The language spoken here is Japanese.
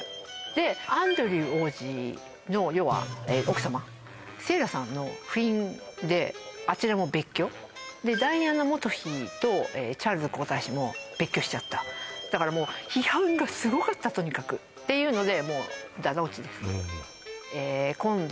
でアンドルー王子の要は奥様セーラさんの不倫であちらも別居でダイアナ元妃とチャールズ皇太子も別居しちゃっただからもう批判がすごかったとにかくっていうのでもうダダ落ちですねええ今度